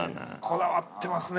こだわってますね